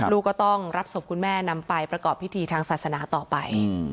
ลูกก็ต้องรับศพคุณแม่นำไปประกอบพิธีทางศาสนาต่อไป